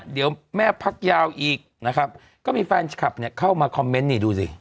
เดี๋ยวแม่พักยาวอีกนะครับก็มีแฟนคลับเนี่ยเข้ามาคอมเมนต์นี่ดูสิ